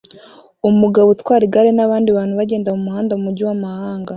Umugabo utwara igare nabandi bantu bagenda mumuhanda mumujyi wamahanga